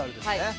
はい。